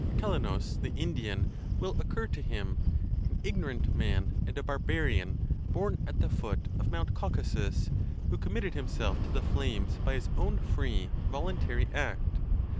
Calanus the Indian will occur to him, an ignorant man and a barbarian, born at the foot of Mount Caucasus, who committed himself to the flames by his own ~ free, voluntary act.